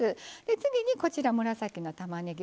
次にこちら紫のたまねぎ。